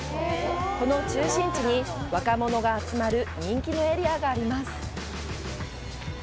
この中心地に、若者が集まる人気のエリアがあります。